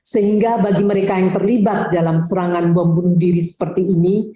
sehingga bagi mereka yang terlibat dalam serangan bom bunuh diri seperti ini